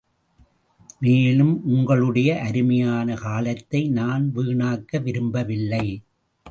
மேலும் உங்களுடைய அருமையான காலத்தை நான் வீணாக்க விரும்பவில்லை.